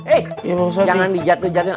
eh jangan di jatuh jatuhin